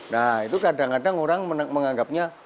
nah itu kadang kadang orang menganggapnya